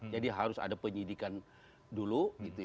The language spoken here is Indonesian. jadi harus ada penyidikan dulu